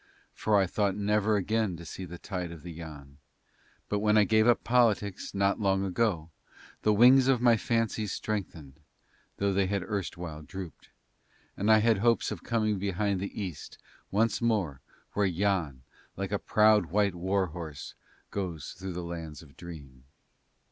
For I thought never again to see the tide of Yann, but when I gave up politics not long ago the wings of my fancy strengthened, though they had erstwhile drooped, and I had hopes of coming behind the East once more where Yann like a proud white war horse goes through the Lands of Dream.